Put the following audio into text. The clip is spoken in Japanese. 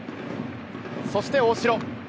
そして大城。